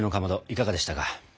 いかがでしたか？